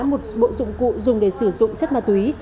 một bộ dụng cụ dùng để sử dụng chất ma túy